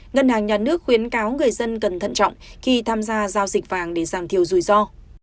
ngân hàng nhà nước khuyến cáo người dân cần thận trọng khi tham gia giao dịch vàng để giảm thiểu rủi ro